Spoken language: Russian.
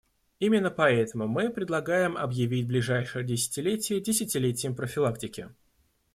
Именно поэтому мы предлагаем, объявить ближайшее десятилетие десятилетием профилактики.